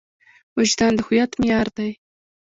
وجدان د هویت معیار دی.